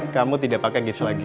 kamu tidak pakai gift lagi